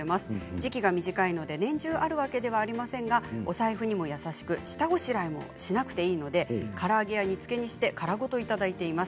時期が短いので年中あるわけではありませんがお財布にも優しく、下ごしらえをしなくていいのでから揚げや煮つけにして殻ごといただいています。